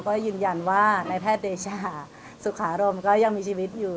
ก็ยืนยันว่าในแพทย์เดชาสุขารมก็ยังมีชีวิตอยู่